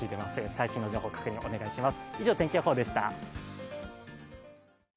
最新の情報の確認をお願いします。